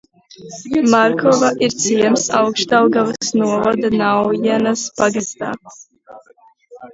Markova ir ciems Augšdaugavas novada Naujenes pagastā.